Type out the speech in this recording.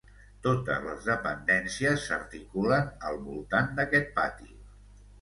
Totes les dependències s'articulen al voltant d'aquest pati.